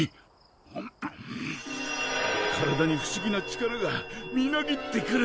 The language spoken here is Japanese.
体にふしぎな力がみなぎってくる！